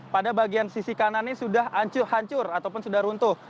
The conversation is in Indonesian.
pada bagian sisi kanannya sudah hancur hancur ataupun sudah runtuh